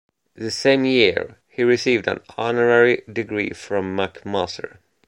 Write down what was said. The same year, he received an honorary degree from McMaster.